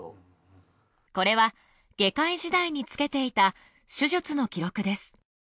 これは外科医時代につけていた手術の記録です。